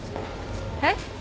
えっ？